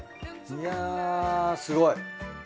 いやぁすごい。